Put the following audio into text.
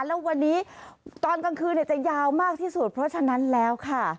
แล้ววันนี้ตอนกลางคืนจะยาวมากที่สุดเพราะฉะนั้นแล้วค่ะ